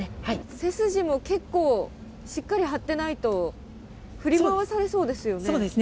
背筋も結構しっかり張ってないと、振り回されそうですよね。